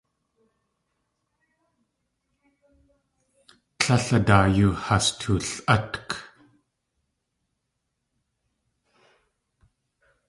Tlél a daa yoo has tool.átk.